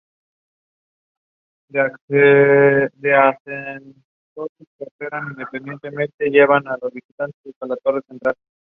Records violando el contrato de Zappa.